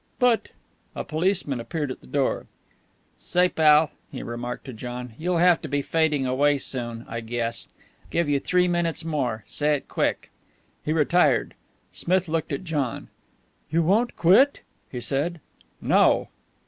"But " A policeman appeared at the door. "Say, pal," he remarked to John, "you'll have to be fading away soon, I guess. Give you three minutes more. Say it quick." He retired. Smith looked at John. "You won't quit?" he said. "No."